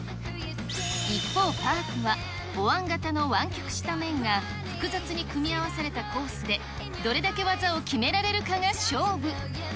一方、パークは、おわん形の湾曲した面が複雑に組み合わされたコースで、どれだけ技を決められるかが勝負。